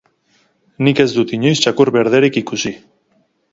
Nik ez dut inoiz txakur berderik ikusi.